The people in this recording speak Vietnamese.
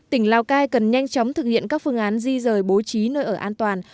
tỉnh lào cai cần nhanh chóng thực hiện các phương án di rời bố trí nơi ở an toàn